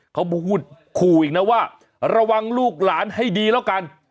เขาพูดขู่อีกนะว่าระวังลูกหลานให้ดีแล้วกัน